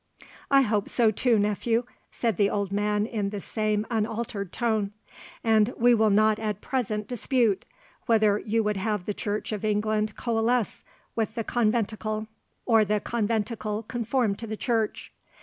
"I hope so too, nephew," said the old man in the same unaltered tone; "and we will not at present dispute, whether you would have the Church of England coalesce with the Conventicle, or the Conventicle conform to the Church.